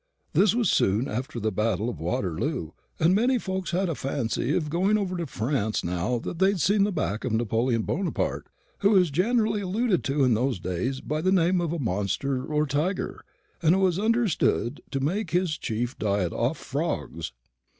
This was soon after the battle of Waterloo; and many folks had a fancy for going over to France now that they'd seen the back of Napoleon Bonaparte, who was generally alluded to in those days by the name of monster or tiger, and was understood to make his chief diet off frogs.